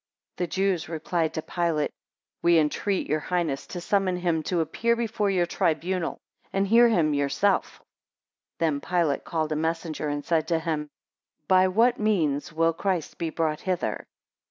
7 The Jews replied to Pilate, We entreat your highness to summon him to appear before your tribunal, and hear him yourself. 8 Then Pilate called a messenger, and said to him, By what means will Christ be brought hither?